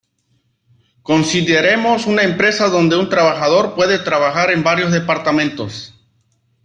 Consideremos una empresa donde un trabajador puede trabajar en varios departamentos.